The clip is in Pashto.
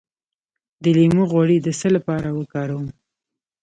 د لیمو غوړي د څه لپاره وکاروم؟